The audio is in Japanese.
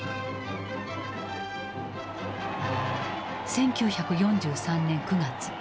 １９４３年９月。